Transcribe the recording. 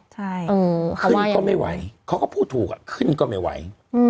ใช่ขึ้นก็ไม่ไหวเขาก็พูดถูกอ่ะขึ้นก็ไม่ไหว